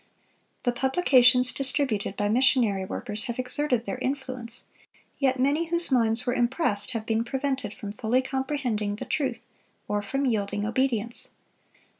The publications distributed by missionary workers have exerted their influence, yet many whose minds were impressed have been prevented from fully comprehending the truth or from yielding obedience.